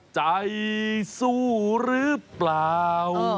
ใจสู้หรือเปล่า